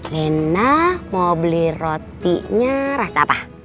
nina mau beli rotinya rasa apa